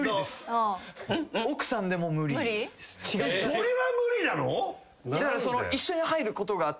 それは無理なの！？